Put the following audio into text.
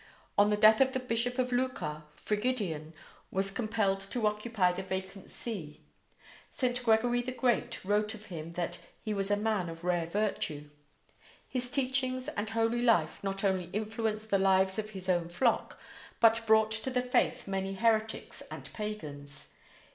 On the death of the bishop of Lucca, Frigidian was compelled to occupy the vacant see. St. Gregory the Great wrote of him that "he was a man of rare virtue". His teachings and holy life not only influenced the lives of his own flock, but brought to the faith many heretics and pagans.